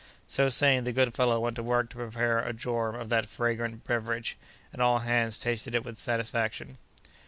So saying, the good fellow went to work to prepare a jorum of that fragrant beverage, and all hands tasted it with satisfaction.